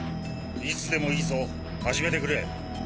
いつでもいいぞ始めてくれ。